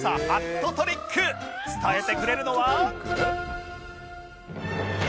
伝えてくれるのは